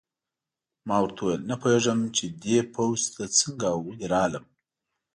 ما ورته وویل: نه پوهېږم چې دې پوځ ته څنګه او ولې راغلم.